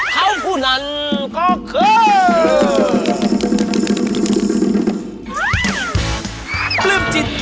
เขาผู้นั้นก็คือ